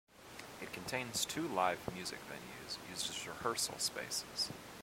It contains two live music venues used as rehearsal spaces.